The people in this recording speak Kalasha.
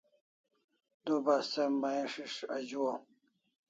Du bas se mai s'is' azuaw